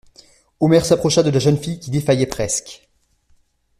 Omer s'approcha de la jeune fille qui défaillait presque.